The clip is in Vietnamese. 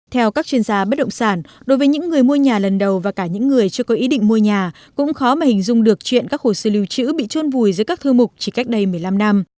theo các chuyên gia bất động sản đối với những người mua nhà lần đầu và cả những người chưa có ý định mua nhà cũng khó mà hình dung được chuyện các hồ sơ lưu trữ bị trôn vùi giữa các thư mục chỉ cách đây một mươi năm năm